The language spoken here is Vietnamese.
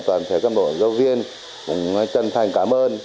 các bộ giáo viên chân thành cảm ơn